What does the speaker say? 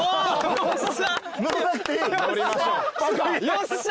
よっしゃ！